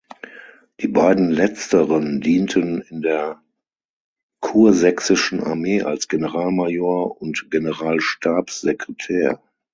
Die beiden letzteren dienten in der kursächsischen Armee als Generalmajor und General-Stabs-Sekretär.